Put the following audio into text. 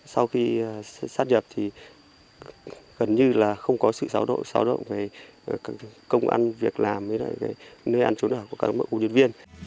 sau khi xác nhập thì gần như là không có sự sao động sao động về công an việc làm nơi ăn trốn ở của các công nhân viên